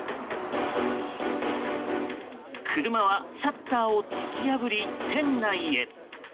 車はシャッターを突き破り店内へ。